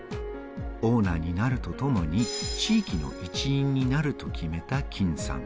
オーナーになるとともに地域の一員になると決めた金さん。